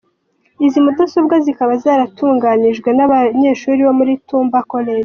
Izi mudasobwa zikaba zaratunganyijwe n’abanyeshuri bo muri Tumba College.